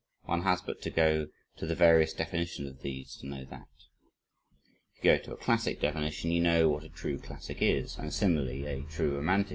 One has but to go to the various definitions of these to know that. If you go to a classic definition you know what a true classic is, and similarly a "true romantic."